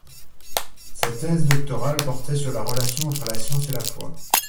Sa thèse doctorale portait sur la relation entre la science et la foi.